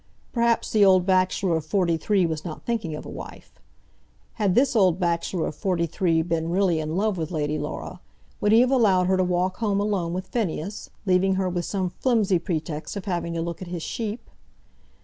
Perhaps the old bachelor of forty three was not thinking of a wife. Had this old bachelor of forty three been really in love with Lady Laura, would he have allowed her to walk home alone with Phineas, leaving her with some flimsy pretext of having to look at his sheep?